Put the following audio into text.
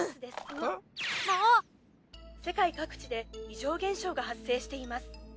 世界各地で異常現発生しています。